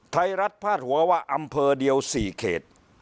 ไทยรัฐพระหัววะอำเภอเดียวสี่เขต